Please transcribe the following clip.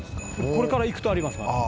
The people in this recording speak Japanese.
「これから行くとあります。